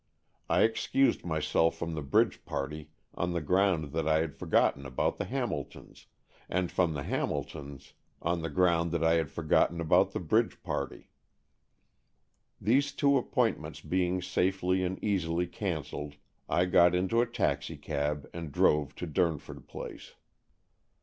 I excused myself from the bridge party on the ground that I had forgotten about the Hamil tons, and from the Hamiltons on the ground that I had forgotten about the bridge party. These two appointments being safely and easily cancelled, I got into a taxicab and drove to Durnford Place.